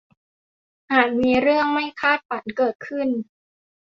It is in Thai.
อาจมีเรื่องไม่คาดฝันเกิดขึ้น